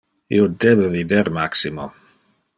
Io debe vider Maximo.